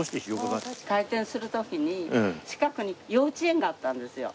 開店する時に近くに幼稚園があったんですよ。